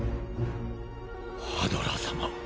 ハドラー様。